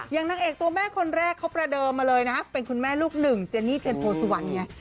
นางเอกตัวแม่คนแรกเขาประเดิมมาเลยนะเป็นคุณแม่ลูกหนึ่งเจนี่เทียนโพสุวรรณไง